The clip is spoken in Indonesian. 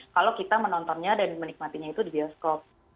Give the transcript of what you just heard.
kalau kita menontonnya dan menikmatinya itu di bioskop